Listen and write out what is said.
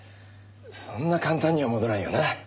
そんな簡単には戻らんよな。